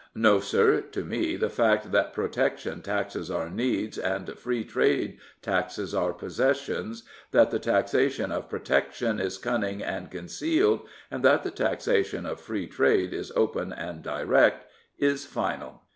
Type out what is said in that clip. No, sir, to me the fact that Protection taxes our needs and Free Trade taxes our possessions, that the taxation of Protection is cunning and concealed and the taxation of Free Trade is open and direct, is final."